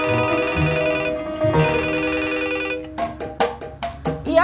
ini urusan kerjaan